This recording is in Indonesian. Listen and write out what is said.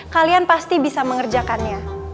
kalian pasti bisa mengerjakannya